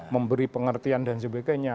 memberi pengertian dan sebagainya